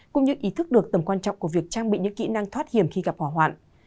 cũng như ý thức được tầm quan trọng của việc trang bị những kỹ năng thoát hiểm khi gặp hỏa hoạn